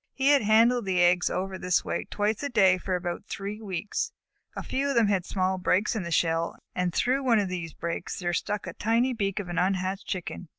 He had handled the eggs over in this way twice a day for about three weeks. A few of them had small breaks in the shell, and through one of these breaks there stuck out the tiny beak of an unhatched Chicken.